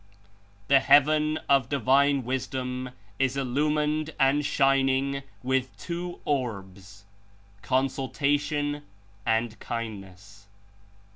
"The heaven of Divine Wisdom Is Illumined and shining with two orbs — Consultation and Kindness.